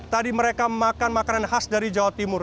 tadi mereka makan makanan khas dari jawa timur